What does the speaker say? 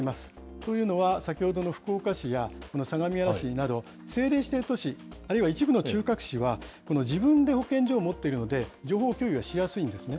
というのは、先ほどの福岡市や、この相模原市など、政令指定都市、あるいは一部の中核市は、自分で保健所を持っているので、情報共有がしやすいんですね。